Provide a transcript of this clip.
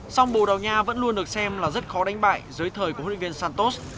song bồ đầu nha vẫn luôn được xem là rất khó đánh bại dưới thời của huyện viên santos